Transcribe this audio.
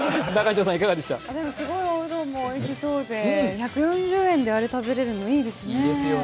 すごいおうどんもおいしそうで１４０円であれ食べられるのいいですね。